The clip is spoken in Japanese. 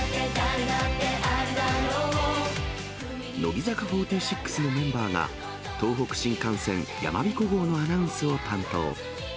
乃木坂４６のメンバーが、東北新幹線やまびこ号のアナウンスを担当。